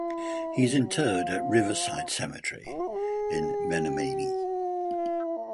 He is interred at Riverside Cemetery in Menominee.